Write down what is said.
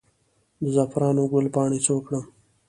د زعفرانو ګل پاڼې څه وکړم؟